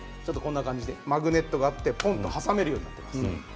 マグネットがあって挟めるようになっています。